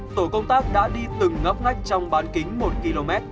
tổ công tác đã đi từng ngấp ngách trong bán kính một km